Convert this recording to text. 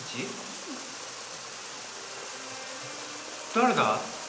誰だい？